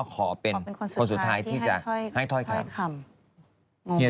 คำถามที่คุณไม่พร้อมที่จะให้ถอยคำ